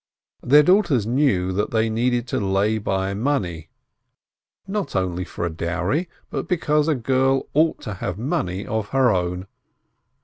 Their daughters knew that they needed to lay by money, not only for a dowry, but because a girl ought to have money of her own.